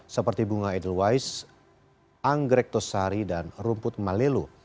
seperti bunga edelwise anggrek tosari dan rumput malelo